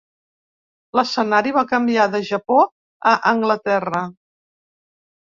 L'escenari va canviar de Japó a Anglaterra.